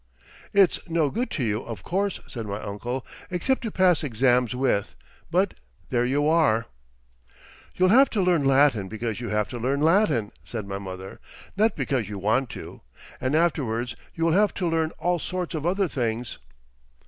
"It's no good to you, of course," said my uncle, "except to pass exams with, but there you are!" "You'll have to learn Latin because you have to learn Latin," said my mother, "not because you want to. And afterwards you will have to learn all sorts of other things...."